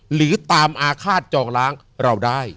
หรือตามอาฆาตจองล้างเราได้